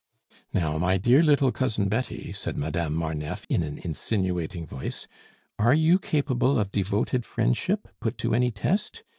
"Now, my dear little Cousin Betty," said Madame Marneffe, in an insinuating voice, "are you capable of devoted friendship, put to any test?